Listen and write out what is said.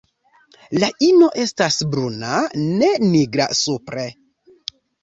La ino estas bruna, ne nigra, supre.